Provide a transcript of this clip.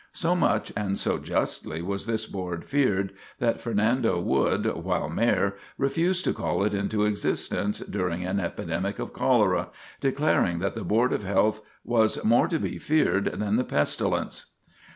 So much and so justly was this board feared, that Fernando Wood, while Mayor, refused to call it into existence during an epidemic of cholera, declaring that the Board of Health was more to be feared than the pestilence.